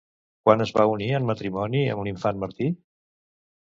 Quan es va unir en matrimoni amb l'infant Martí?